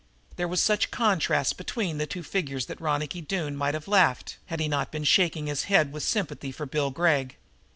There was such a contrast between the two figures that Ronicky Doone might have laughed, had he not been shaking his head with sympathy for Bill Gregg.